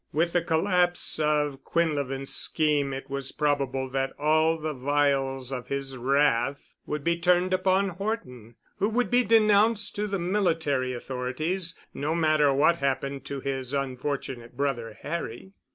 With the collapse of Quinlevin's scheme it was probable that all the vials of his wrath would be turned upon Horton, who would be denounced to the military authorities, no matter what happened to his unfortunate brother Harry.